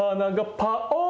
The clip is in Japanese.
パオン！